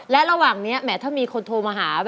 และระหว่างนี้แหมถ้ามีคนโทรมาหา